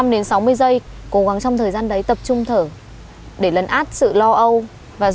mặt đau quá